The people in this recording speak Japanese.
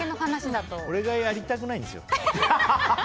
俺がやりたくないんですよ。